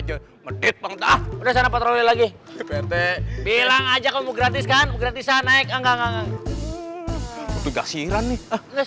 udah sana patroli lagi bilang aja kamu gratis kan gratisan naik enggak enggak